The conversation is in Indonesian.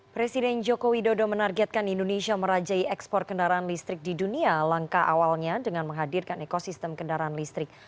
presiden joko widodo menargetkan indonesia merajai ekspor kendaraan listrik di dunia langkah awalnya dengan menghadirkan ekosistem kendaraan listrik